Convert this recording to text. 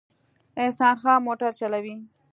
احسان خان موټر چلوي